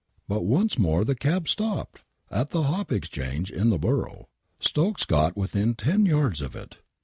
But, once more the cab stopped ! At the Hop Exchange, in the Borough. Stokes got within ten yards of it.